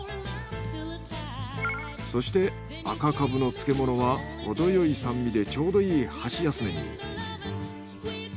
そして赤カブの漬物はほどよい酸味でちょうどいい箸休めに。